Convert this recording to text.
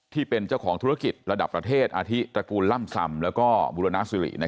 ที่เป็นเจ้าของธุรกิจระดับประเทศอาทิตระกูลล่ำซำแล้วก็บุรณสิริ